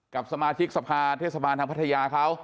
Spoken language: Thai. กับสมาชิกสรรพาทเทสาบานภัทยาเขา